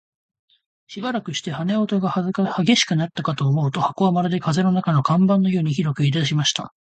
しばらくして、羽音が烈しくなったかと思うと、箱はまるで風の中の看板のようにひどく揺れだしました。